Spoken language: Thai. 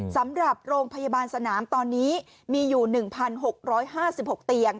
สำหรับโรงพยาบาลสนามตอนนี้มีอยู่๑๖๕๖เตียง